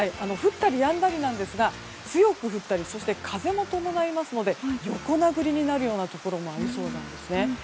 降ったりやんだりですが強く降ったり風も伴いますので横殴りになるようなところもありそうなんですね。